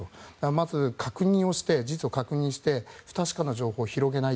まず事実を確認して不確かな情報を広げない。